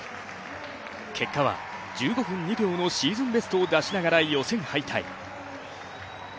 結果は１５分２秒のシーズンベストを出しながら予選敗退。